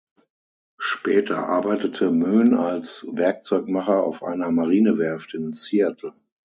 Später arbeitete Moen als Werkzeugmacher auf einer Marinewerft in Seattle.